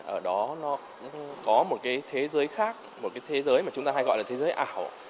ở đó nó có một cái thế giới khác một cái thế giới mà chúng ta hay gọi là thế giới ảo